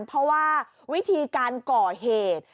เพราะว่าวิธีการก่อเหตุ